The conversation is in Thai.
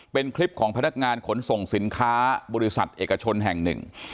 เป็นคลิปของพนักงานขนส่งสินค้าบริษัทเอกชนแห่งหนึ่ง